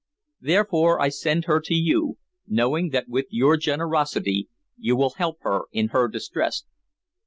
Therefore I send her to you, knowing that with your generosity you will help her in her distress."